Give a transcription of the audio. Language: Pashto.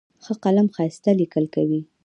ښه قلم ښایسته لیکل کوي.